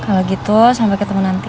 kalau gitu sampai ketemu nanti